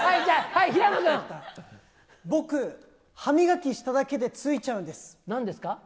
僕、歯磨きしただけでついちなんですか？